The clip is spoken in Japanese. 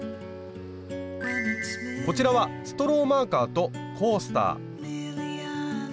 こちらはストローマーカーとコースター。